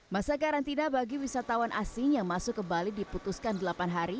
masa karantina bagi wisatawan asing yang masuk ke bali diputuskan delapan hari